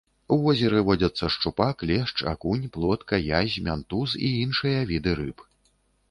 У возеры водзяцца шчупак, лешч, акунь, плотка, язь, мянтуз і іншыя віды рыб.